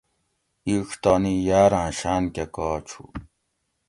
اِیڄ تانی یاراں شاۤن کہ کاچ ہُو